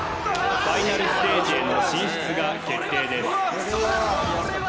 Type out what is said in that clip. ファイナルステージへの進出が決定です